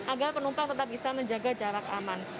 agar penumpang tetap bisa menjaga jarak aman